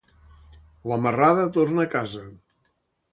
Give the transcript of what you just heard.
La marrada torna a casa.